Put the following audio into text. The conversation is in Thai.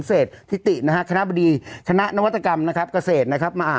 เศรษฐิตินะฮะคณะบดีคณะนวัตกรรมกระเศษนะครับ